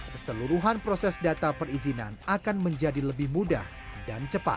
keseluruhan proses data perizinan akan menjadi lebih mudah dan cepat